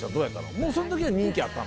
もうその時には人気あったの？